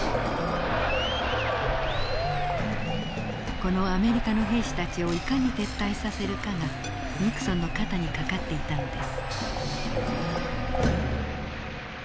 このアメリカの兵士たちをいかに撤退させるかがニクソンの肩にかかっていたのです。